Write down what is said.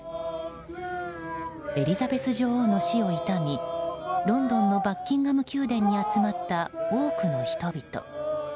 エリザベス女王の死を悼みロンドンのバッキンガム宮殿に集まった多くの人々。